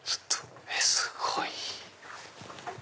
すごい。